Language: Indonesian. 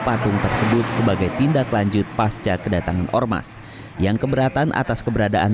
patung tersebut sebagai tindak lanjut pasca kedatangan ormas yang keberatan atas keberadaan